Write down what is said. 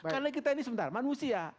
karena kita ini sebentar manusia